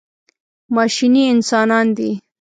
ماشیني انسانان دي.